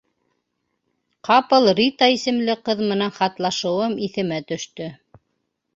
Ҡапыл Рита исемле ҡыҙ менән хатлашыуым иҫемә төштө.